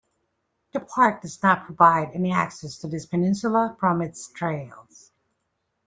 The park does not provide any access to this peninsula from its trails.